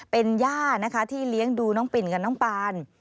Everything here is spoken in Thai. เป็นย่านะคะที่เลี้ยงดูน้องปิ่นกับน้องปาน